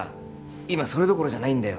今それどころじゃないんだよ